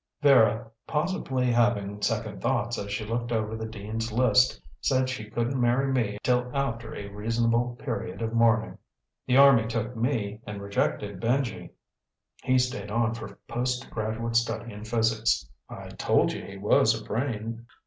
Vera, possibly having second thoughts as she looked over the Dean's List, said she couldn't marry me till after a reasonable period of mourning. The Army took me and rejected Benji. He stayed on for post graduate study in physics. I told you he was a brain.